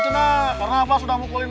beberapa jak vit accusation